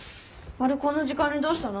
あれこんな時間にどうしたの？